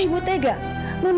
memisahkan orang yang saling berdua